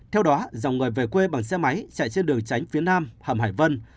theo đó dòng người về quê bằng xe máy chạy trên đường tránh phía nam hầm hải vân